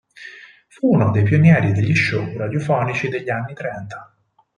Fu uno dei pionieri degli show radiofonici degli anni trenta.